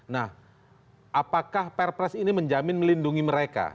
nah apakah perpres ini menjamin melindungi mereka